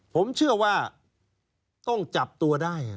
ผมเชื่อว่าต้องจับตัวได้